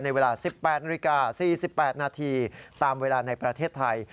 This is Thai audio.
เวลา๑๘นาฬิกา๔๘นาทีตามเวลาในประเทศไทย